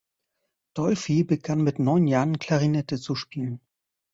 Dolphy begann mit neun Jahren Klarinette zu spielen.